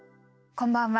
こんばんは。